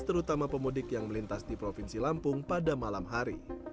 terutama pemudik yang melintas di provinsi lampung pada malam hari